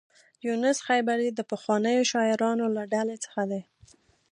یونس خیبري د پخوانیو شاعرانو له ډلې څخه دی.